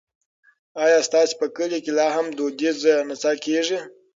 ایا ستاسو په کلي کې لا هم دودیزه نڅا کیږي؟